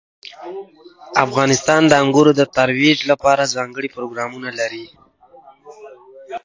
افغانستان د انګورو د ترویج لپاره ځانګړي پروګرامونه لري.